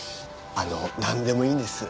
あのなんでもいいんです。